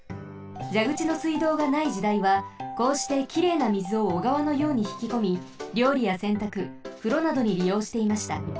じゃぐちの水道がない時代はこうしてきれいなみずをおがわのようにひきこみりょうりやせんたくふろなどにりようしていました。